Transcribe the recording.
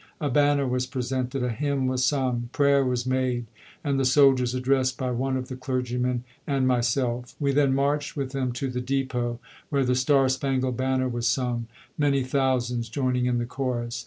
A banner was presented, a hymn was sung, prayer was made, and the soldiers addressed by one of the clergymen and myseK. We then marched with them to the depot, where the "Star Spangled Banner" was sung, many thousands joining in the chorus.